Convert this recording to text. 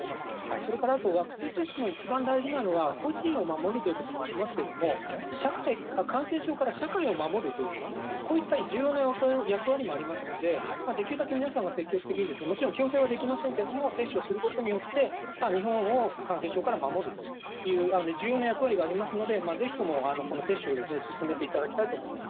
それからあと、ワクチン接種の一番大事なのは、個人を守るということもありますけれども、感染症から社会を守るという、こういった重要な役割もありますので、できるだけ皆さんが積極的に、もちろん強制はできませんけれども、接種をすることによって、日本を感染症から守るという重要な役割がありますので、ぜひともこの接種をですね、進めていただきたいと思います。